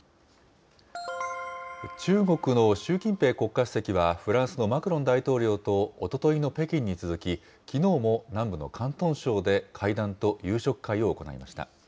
中国の習近平国家主席は、フランスのマクロン大統領とおとといの北京に続き、きのうも南部の広東省で会談と夕食会を行いました。